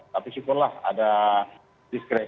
tapi syukurlah ada diskresi